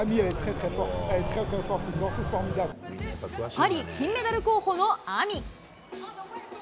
パリ金メダル候補のＡｍｉ。